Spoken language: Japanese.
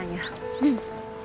うん。